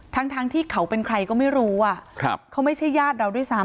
ทั้งที่เขาเป็นใครก็ไม่รู้เขาไม่ใช่ญาติเราด้วยซ้ำ